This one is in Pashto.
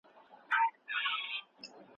د هغې خاوند بې تعلیمه سړی نه دی.